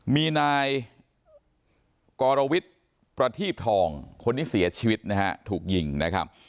มีนายกรวิทย์ประทีบทองคนนี้เสียชีวิตนะฮะถูกยิงนะครับ